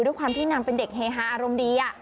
ด้วยความที่นางเป็นเด็กเฮฮาอารมณ์ดี